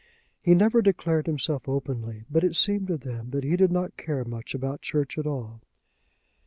He never declared himself openly, but it seemed to them that he did not care much about church at all.